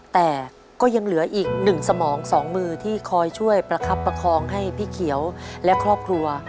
แต่ก็ยังเหลืออีก๑สมอง๒มือที่คอยช่วยประคับประคองให้พี่เขียวและครอบครัว